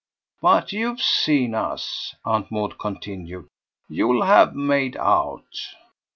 But you've seen us," Aunt Maud continued; "you'll have made out."